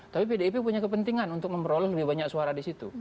tapi pdip punya kepentingan untuk memperoleh lebih banyak suara di situ